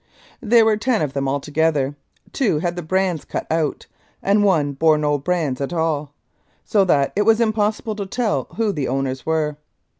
There were ten of them altogether, two had the brands cut out, and one bore no brand at all, so that it was impossible to tell who the owners were.